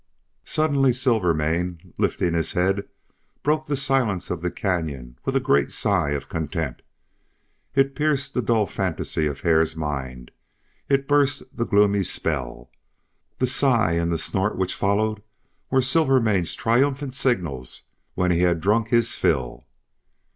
Suddenly Silvermane, lifting his head, broke the silence of the canyon with a great sigh of content. It pierced the dull fantasy of Hare's mind; it burst the gloomy spell. The sigh and the snort which followed were Silvermane's triumphant signals when he had drunk his fill.